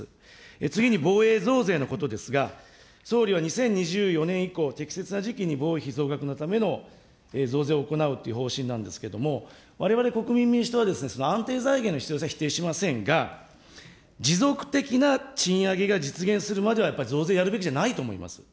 次に防衛増税のことですが、総理は２０２４年以降、適切な時期に防衛費増額のための増税を行うという方針なんですけれども、われわれ国民民主党は、その安定財源の必要性は否定しませんが、持続的な賃上げが実現するまでは、やっぱり増税やるべきじゃないと思います。